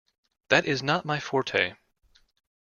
That is not my forte.